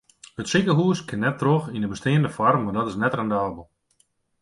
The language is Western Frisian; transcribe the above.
It sikehûs kin net troch yn de besteande foarm want dat is net rendabel.